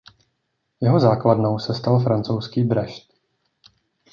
Jeho základnou se stal francouzský Brest.